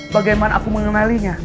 bagaimana aku mengenalinya